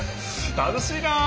楽しいな！